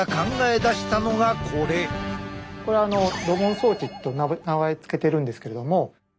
これドボン装置と名前付けてるんですけれども。